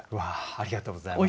ありがとうございます。